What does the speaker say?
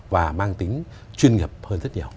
và mang tính chuyên nghiệp hơn rất nhiều